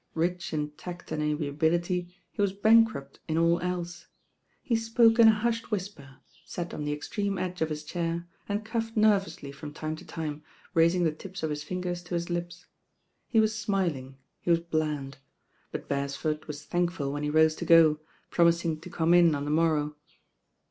Rich in tact and amiability, he was bankrupt in all else. He spoke in a hushed whisper, sat on the extreme edge of his chair, and coughed nervously from time to time, raising the tips of his fingers to his lips. He was 1 <t THE RAm OIRL ili< smiling, he was bland; but Beresford was thankful when he rose to gQ, promising to come in on the morrow.